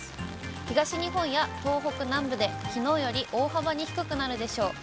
東日本や東北南部で、きのうより大幅に低くなるでしょう。